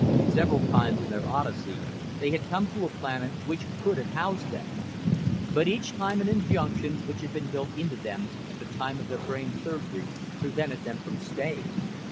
Several times in their odyssey they had come to a planet which could have housed them. But each time an injunction which had been built into them at the time of the brain surgery prevented them from staying.